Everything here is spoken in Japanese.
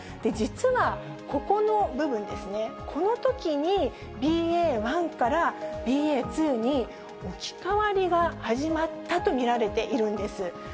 実はここの部分ですね、このときに、ＢＡ．１からＢＡ．２に置き換わりが始まったと見られているんです。